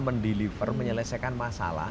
mendeliver menyelesaikan masalah